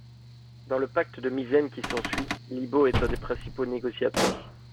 Dans le pacte de Misène qui s'ensuit, Libo est un des principaux négociateurs.